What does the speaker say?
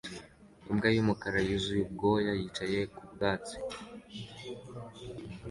Imbwa y'umukara yuzuye ubwoya yicaye ku byatsi